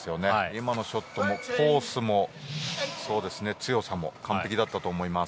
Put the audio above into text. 今のショットもコースも強さも完璧だったと思います。